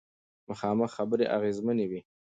مخامخ خبرې اغیزمنې وي.